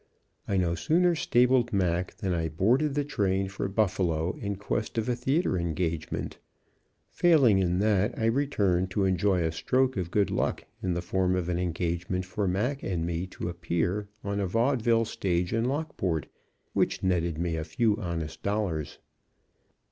I no sooner stabled Mac than I boarded the train for Buffalo in quest of a theatre engagement; failing in that, I returned to enjoy a stroke of good luck in the form of an engagement for Mac and me to appear on a vaudeville stage in Lockport, which netted me a few honest dollars.